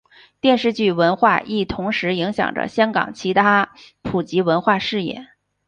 电视剧文化亦同时影响着香港其他普及文化事业。